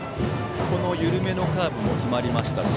緩めのカーブも決まりましたし